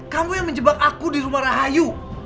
kamu yang menjebak aku di rumah rahayu